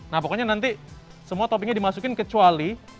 nah pokoknya nanti semua toppingnya dimasukin kecuali